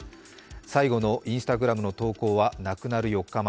最後のＩｎｓｔａｇｒａｍの投稿は亡くなる４日前。